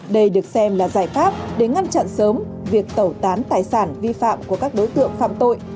đây được xem là giải pháp để ngăn chặn sớm việc tẩu tán tài sản vi phạm của các đối tượng phạm tội